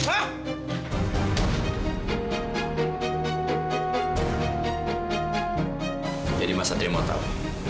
jadi masa dia mau tau